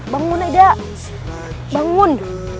bangun aida bangun